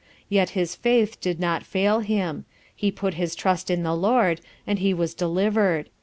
Yet his Faith did not fail him; he put his Trust in the Lord, and he was delivered.